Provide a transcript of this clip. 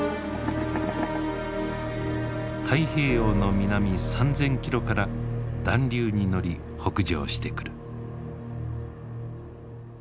太平洋の南３，０００キロから暖流に乗り北上してくる。